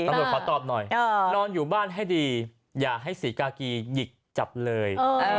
ขอตอบหน่อยนอนอยู่บ้านให้ดีอย่าให้ศรีกากีหยิกจับเลย